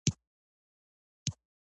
آیا دوی خپله ګټه نه پیژني؟